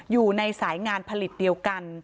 อยู่ในสายงานผลิตเดียวกัน